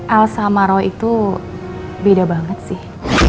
al sama roy itu beda banget sih